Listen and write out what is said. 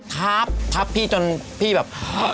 ทับทับพี่จนพี่แบบ